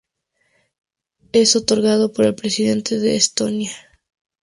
Es otorgado por el Presidente de Estonia.